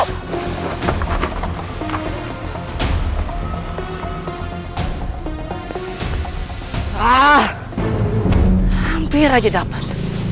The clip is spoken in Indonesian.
hampir aja dapet